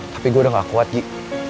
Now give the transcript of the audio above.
tapi gue udah gak kuat ji